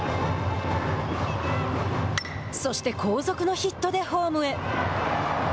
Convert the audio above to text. そして後続のヒットでホームへ。